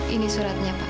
ini suratnya pak